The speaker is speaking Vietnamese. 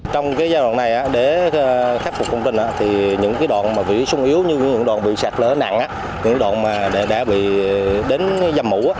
trong giai đoạn này để khắc phục công trình những đoạn bị sung yếu như những đoạn bị sạt lỡ nặng những đoạn đã bị đến dâm mũ